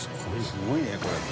「すごいねこれ」